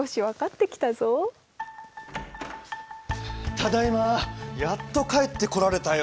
ただいまやっと帰ってこられたよ。